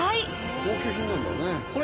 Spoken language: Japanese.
高級品なんだね。